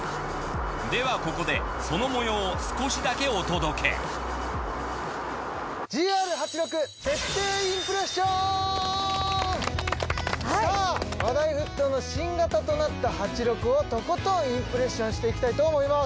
ではここでその模様を少しだけお届けさあ話題沸騰の新型となった８６をとことんインプレッションしていきたいと思います。